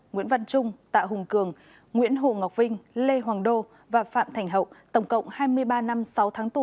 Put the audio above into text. nguyễn văn trung tạ hùng cường nguyễn hồ ngọc vinh lê hoàng đô và phạm thành hậu tổng cộng hai mươi ba năm sáu tháng tù